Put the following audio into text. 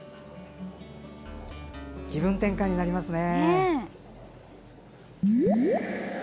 気分転換になりますね。